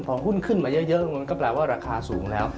พอหุ้นขึ้นมาเยอะมันก็แปลว่าราคาสูงแล้ว